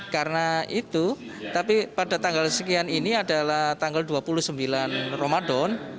karena itu tapi pada tanggal sekian ini adalah tanggal dua puluh sembilan ramadan